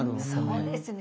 そうですね